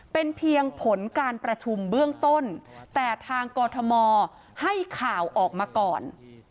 เป็นเพียงผลการประชุมเบื้องต้นแต่ทางกรทมให้ข่าวออกมาก่อน